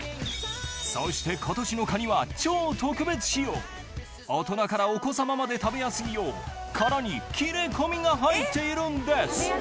そして今年のカニは超特別仕様大人からお子様まで食べやすいよう殻に切れ込みが入っているんです